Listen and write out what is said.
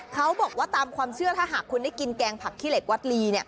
เขาบอกว่าตามความเชื่อถ้าหากคุณได้กินแกงผักขี้เหล็กวัดลี